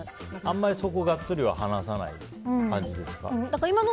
あんまり、そこガッツリは話さない感じですか？